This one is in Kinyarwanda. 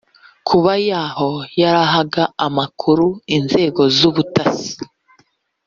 Kuba Yahoo yarahaga amakuru inzego z’ubutasi